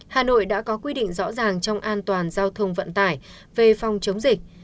hà nội đã có quy định rõ ràng trong an toàn giao thông vận tải về phòng chống dịch